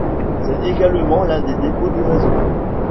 C'est également l'un des dépôt du réseau.